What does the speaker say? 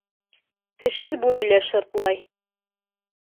Тешһеҙ бүре лә шыртлай.